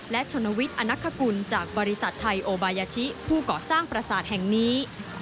และชนวิทย์อนักคกุลจากบริษัทไทยโอบายาชิผู้เกาะสร้างประสาทแห่งนี้